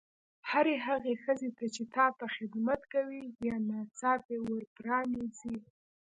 هرې هغې ښځې ته چې تا ته خدمت کوي یا ناڅاپي ور پرانیزي.